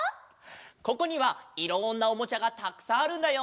ここにはいろんなおもちゃがたくさんあるんだよ！